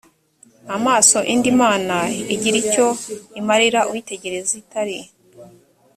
amaso indi mana igira icyo imarira uyitegereza itari